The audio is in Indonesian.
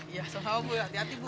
iya sama sama bu hati hati bu